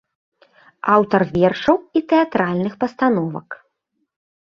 Аўтар вершаў і тэатральных пастановак.